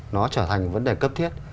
nó trở thành vấn đề cấp thiết